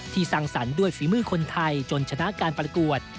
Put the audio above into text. ที่สังสรรด้วยฝีมือคนไทยจนชนะการปรากฏ